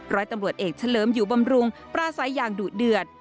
ร้อยตำรวจเอกเฉลิมอยู่บำรุงปราศัยอย่างดุเดือด